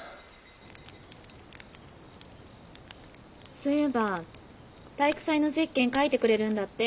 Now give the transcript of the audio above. そういえば体育祭のゼッケン書いてくれるんだって？